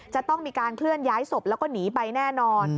จะต้องมีการเคลื่อนย้ายศพแล้วก็หนีไปแน่นอน